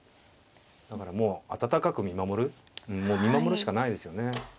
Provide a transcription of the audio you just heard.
だからもう温かく見守るもう見守るしかないですよね。